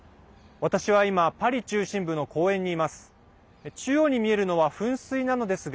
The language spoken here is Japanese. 私は今パリ中心部の公園にいます。